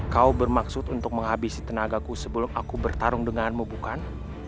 kau bermaksud untuk menghabisi tenagaku sebelum aku bertarung denganmu bukan